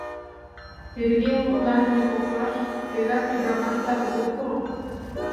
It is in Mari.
Пӧръеҥ мутланыме коклаш тегак ӱдырамаш-влак огыт пуро.